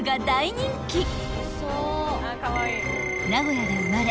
［大人気］